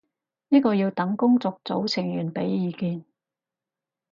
呢個要等工作組成員畀意見